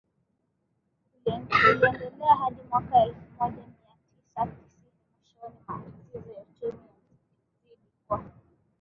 uliendelea hadi mwaka elfu moja mia tisa tisini Mwishoni matatizo ya uchumi yalizidi kwa